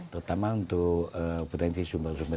terutama untuk potensi sumber sumber